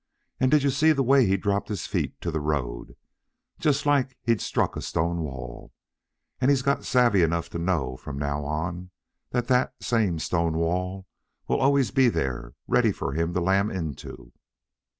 And did you see the way he dropped his feet to the road just like he'd struck a stone wall. And he's got savvee enough to know from now on that that same stone wall will be always there ready for him to lam into."